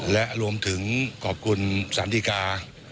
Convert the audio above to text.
และรวมถึงขอบคุณสารดีกา